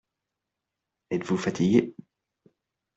Êtes-vous fatigué ?